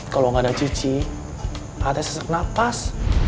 kalau gak ada cici a a teh sesek napas